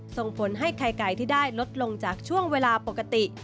ส่งผลให้ไข่ไก่ที่ได้ลดลงจากช่วงเวลาปกติ